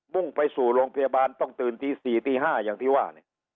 ่งไปสู่โรงพยาบาลต้องตื่นตี๔ตี๕อย่างที่ว่า